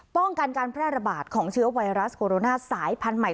ป้องกันการแพร่ระบาดของเชื้อไวรัสโคโรนาสายพันธุ์ใหม่